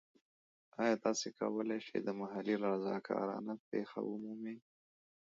ایا تاسو کولی شئ د محلي رضاکارانه پیښه ومومئ؟